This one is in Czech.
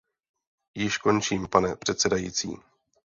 Již končím, pane předsedající.